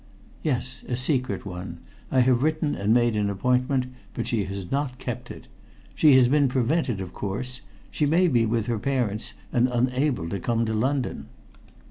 "Yes, a secret one. I have written and made an appointment, but she has not kept it. She has been prevented, of course. She may be with her parents, and unable to come to London."